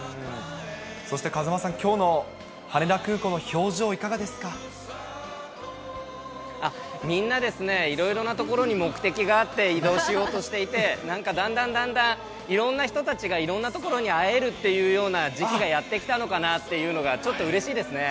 そして風間さん、きょうの羽みんな、いろいろな所に目的があって移動しようとしていて、なんかだんだんだんだん、いろんな人たちがいろんな所に会えるっていうような時期がやってきたのかなっていうような、ちょっとうれしいですね。